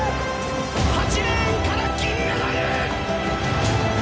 ８レーンから銀メダル！